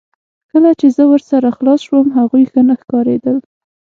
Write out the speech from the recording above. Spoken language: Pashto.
کله چې زه ورسره خلاص شوم هغوی ښه نه ښکاریدل